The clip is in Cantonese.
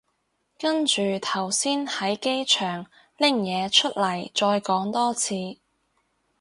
跟住頭先喺機場拎嘢出嚟再講多次